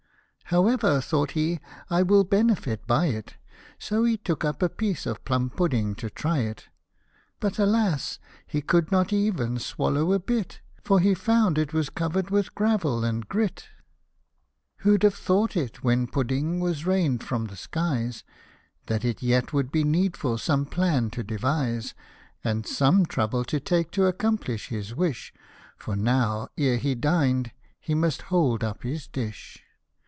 " However, thought he, " I will benefit by it ; So he took up a piece of plum pudding to try it ; But, alas, he could not even swallow a bit, For he found it was covered with gravel and grit. />. lid. Tlie Shown: of Puddings. Tlie Dou; & tlie Pi.tr her. 117 Who'd have thought it, when pudding was rain'd from the skies, That it yet would be needful some plan to devise, And some trouble to take to accomplish his wish ; For now, ere he dined, lie must hold up his dish.